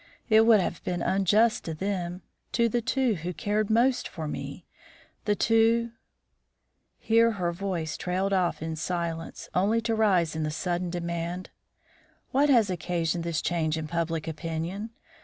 It would have been unjust to them, to the two who cared most for me the two " Here her voice trailed off into silence, only to rise in the sudden demand: "What has occasioned this change in public opinion?